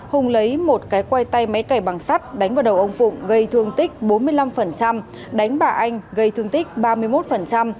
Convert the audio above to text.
hùng lấy một cái quay tay máy cải bằng sắt đánh vào đầu ông phụng gây thương tích bốn mươi năm đánh bà anh gây thương tích ba mươi một